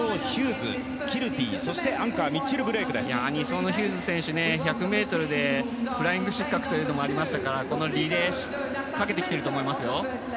２走の選手１００ｍでフライング失格というのもありましたから、このリレー懸けてきてると思います。